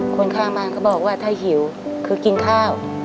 คนข้างบ้านเขาบอกว่าถ้าหิวคือกินข้าว